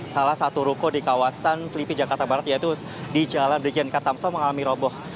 salah satu ruko di kawasan selipi jakarta barat yaitu di jalan brigjen katamso mengalami roboh